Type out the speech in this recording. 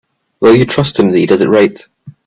Will you trust him that he does it right?